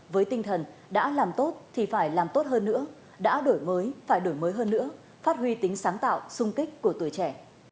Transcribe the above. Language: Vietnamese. với tinh thần đã làm tốt thì phải làm tốt hơn nữa đã đổi mới phải đổi mới hơn nữa phát huy tính sáng tạo sung kích của tuổi trẻ